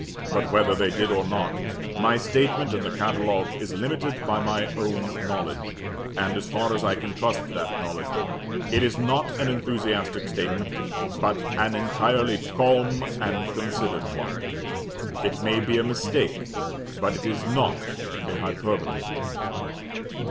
But whether they did or not, my statement in the catalogue is limited by my own knowledge: and, as far as I can trust that knowledge, it is not an enthusiastic statement, but an entirely calm and considered one. It may be a mistake but it is not a hyperbole."